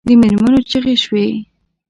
د مېرمنو چیغې شوې.